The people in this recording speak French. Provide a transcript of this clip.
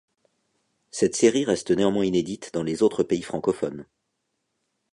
Cette série reste néanmoins inédite dans les autres pays francophones.